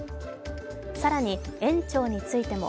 更に、園長についても。